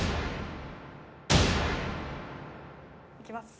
いきます